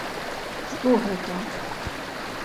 Што гэта?